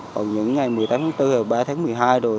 còn những ngày một mươi tám tháng bốn hoặc ba tháng một mươi hai rồi